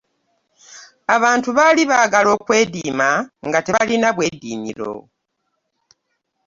Abantu baali baagala okwediima nga tebalina bwediimiro.